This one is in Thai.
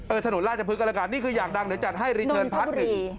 ถนนราชพฤกกันแล้วกันนี่คืออยากดังเดี๋ยวจัดให้รีเทิร์นพาร์ทหนึ่ง